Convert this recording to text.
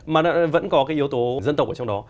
mà vẫn có cái yếu tố dân tộc ở trong đó